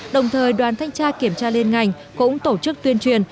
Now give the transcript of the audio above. đồng thời đoàn thanh tra kiểm tra liên ngành cũng tổ chức tuyên truyền